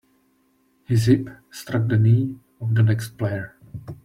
His hip struck the knee of the next player.